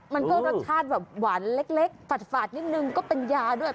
มันก็รสชาติแบบหวานเล็กฝาดนิดนึงก็เป็นยาด้วย